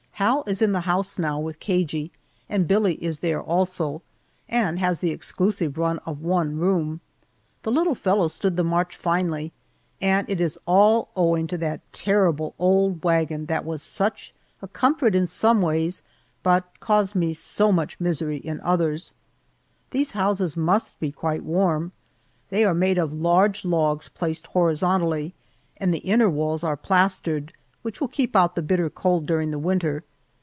Hal is in the house now, with Cagey, and Billie is there also, and has the exclusive run of one room. The little fellow stood the march finely, and it is all owing to that terrible old wagon that was such a comfort in some ways, but caused me so much misery in others. These houses must be quite warm; they are made of large logs placed horizontally, and the inner walls are plastered, which will keep out the bitter cold during the winter.